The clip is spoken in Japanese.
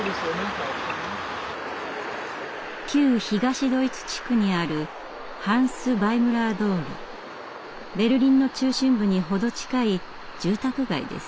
旧東ドイツ地区にあるベルリンの中心部に程近い住宅街です。